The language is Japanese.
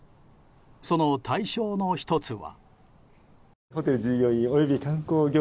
その対象の１つは。